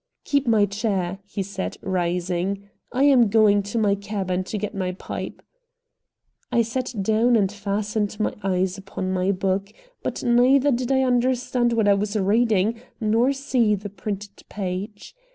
"Keep my chair," he said, rising. "I am going to my cabin to get my pipe." I sat down and fastened my eyes upon my book; but neither did I understand what I was reading nor see the printed page.